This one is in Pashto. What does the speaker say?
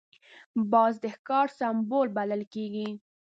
باز د ښکار سمبول بلل کېږي